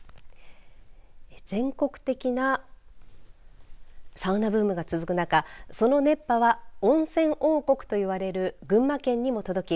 全国的なサウナブームが続く中その熱波は温泉王国といわれる群馬県にも届き